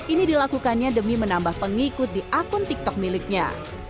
ini dilakukannya demi menambah pengikut di akun tiktok miliknya